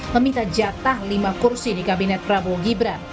meminta jatah lima kursi di kabinet prabowo gibran